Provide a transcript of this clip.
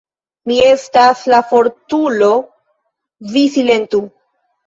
"Mi estas la fortulo, vi silentu.